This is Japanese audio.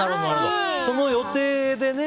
その予定でね。